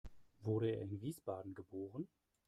Wurde er in Wiesbaden geboren?